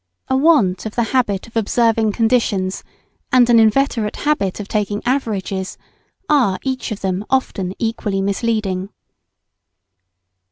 ] A want of the habit of observing conditions and an inveterate habit of taking averages are each of them often equally misleading.